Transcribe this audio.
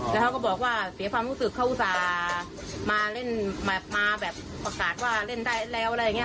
แล้วเขาก็บอกว่าเสียความรู้สึกเขาอุตส่าห์มาเล่นแบบมาแบบประกาศว่าเล่นได้แล้วอะไรอย่างนี้